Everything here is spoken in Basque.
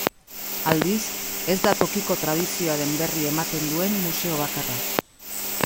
Aldiz, ez da tokiko tradizioaren berri ematen duen museo bakarra.